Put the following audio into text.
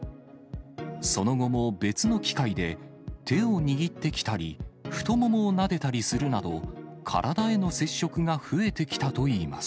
その後も、別の機会で、手を握ってきたり、太ももをなでたりするなど、体への接触が増えてきたといいます。